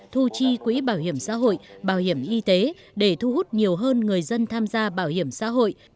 thu chi quỹ bảo hiểm xã hội bảo hiểm y tế để thu hút nhiều hơn người dân tham gia bảo hiểm xã hội